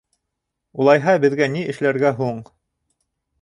Улайһа, беҙгә ни эшләргә һуң?